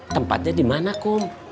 tempatnya dimana kum